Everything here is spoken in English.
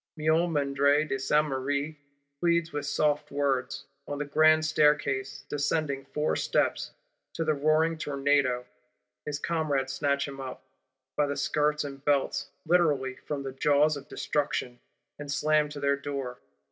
Miomandre de Sainte Marie pleads with soft words, on the Grand Staircase, "descending four steps:"—to the roaring tornado. His comrades snatch him up, by the skirts and belts; literally, from the jaws of Destruction; and slam to their Door.